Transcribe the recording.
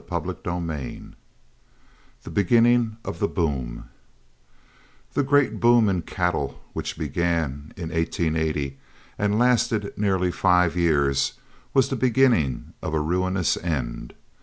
CHAPTER XVIII THE BEGINNING OF THE BOOM The great boom in cattle which began in 1880 and lasted nearly five years was the beginning of a ruinous end.